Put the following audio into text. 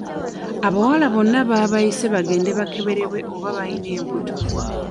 Abawala bonna babayise bagende bakeberebwe oba bayina embuto.